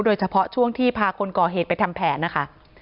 โดยเฉพาะช่วงที่พาคนก่อเหตุไปทำแผนนะคะ